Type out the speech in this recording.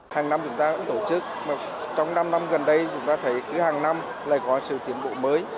hàng năm chúng ta cũng tổ chức mà trong năm năm gần đây chúng ta thấy cứ hàng năm lại có sự tiến bộ mới